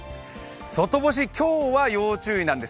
外干し、今日は要注意なんです。